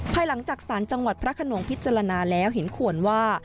ภายหลังจากสารจังหวัดพระขนงพิจารณาแล้วเห็นควรว่า